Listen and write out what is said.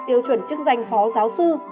tiêu chuẩn chức danh phó giáo sư